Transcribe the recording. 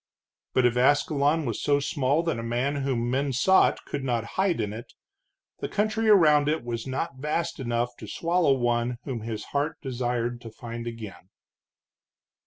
But if Ascalon was so small that a man whom men sought could not hide in it, the country around it was not vast enough to swallow one whom his heart desired to find again.